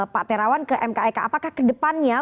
pak terawan ke mkek apakah ke depannya